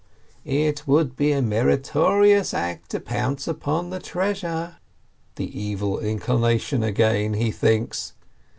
"It would be a meritorious act to pounce upon the treasure !" The Evil Inclination again, he thinks.